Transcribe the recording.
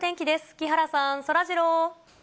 木原さん、そらジロー。